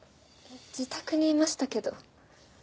自宅にいましたけど。